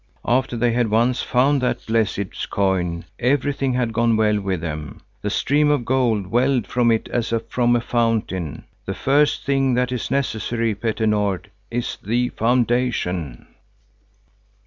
After they had once found that blessed coin, everything had gone well with them. The stream of gold welled from it as from a fountain. The first thing that is necessary, Petter Nord, is the foundation."